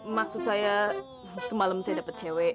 maksud saya semalam saya dapat cewek